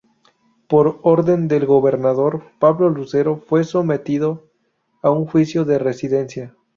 Por orden del gobernador Pablo Lucero fue sometido a un juicio de residencia.